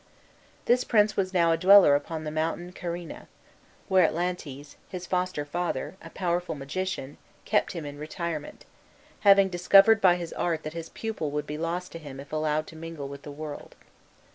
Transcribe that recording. This prince was now a dweller upon the mountain Carena, where Atlantes, his foster father, a powerful magician, kept him in retirement, having discovered by his art that his pupil would be lost to him if allowed to mingle with the world.